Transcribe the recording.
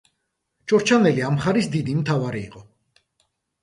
ჩორჩანელი ამ მხარის დიდი მთავარი იყო.